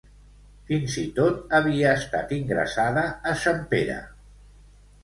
Fins i tot havia estat ingressada a Sant Pere.